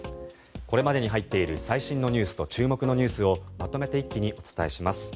これまでに入っている最新ニュースと注目ニュースをまとめて一気にお伝えします。